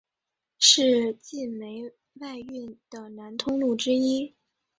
是晋煤外运的南通路之一。